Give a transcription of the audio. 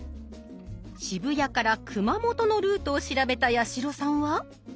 渋谷から熊本のルートを調べた八代さんは。